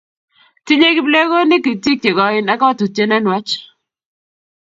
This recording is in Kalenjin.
Tinyei kiblekonik itik che koen ak kotutie ne nuech